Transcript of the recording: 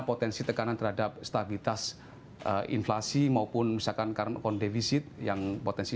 potensi tekanan terhadap stabilitas inflasi maupun misalkan karena kondisi yang potensi